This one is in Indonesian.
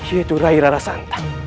yaitu rai rarasantak